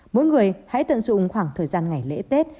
mỗi người hãy tận dụng khoảng thời gian ngày lễ tết